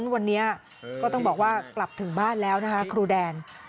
วันนี้ก็ต้องบอกว่ากลับถึงบ้านแล้วนะคะครูแดน